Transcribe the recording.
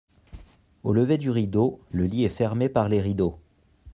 Au lever du rideau, le lit est fermé par les rideaux.